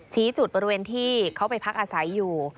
ชี้จุดบริเวณที่เขาไปพักอาศัยอยู่